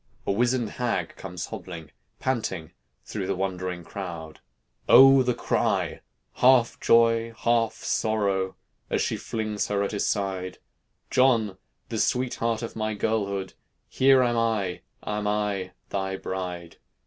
a wizened hag comes hobbling, Panting, through the wondering crowd. O! the cry, half joy, half sorrow, As she flings her at his side: "John! the sweetheart of my girlhood, Here am I, am I, thy bride.